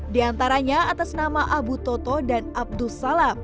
diantaranya atas nama abu toto dan abdussalam